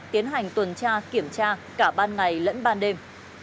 tiến hành tuần tra kiểm tra cả ban ngày lẫn ban đêm